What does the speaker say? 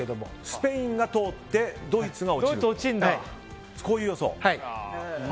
スペインが通ってドイツが落ちるという予想。